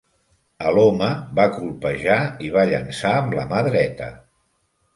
Aloma va colpejar i va llançar amb la mà dreta.